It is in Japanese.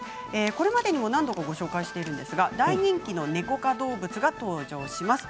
これまでにも何度かご紹介しているんですが大人気のネコ科動物が登場します。